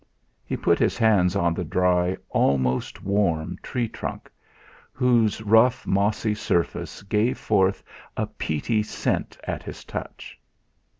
He put his hands on the dry, almost warm tree trunk, whose rough mossy surface gave forth a peaty scent at his touch.